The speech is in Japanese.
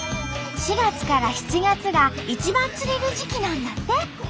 ４月から７月が一番釣れる時期なんだって。